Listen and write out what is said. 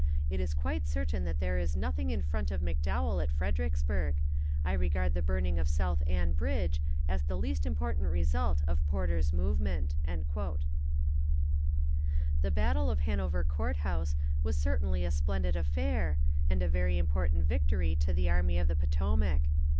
It is quite certain that there is nothing in front of McDowell at Fredericksburg. I regard the burning of South Anne bridge as the least important result of Porter's movement." The battle of Hanover Court House was certainly a splendid affair, and a very important victory to the Army of the Potomac.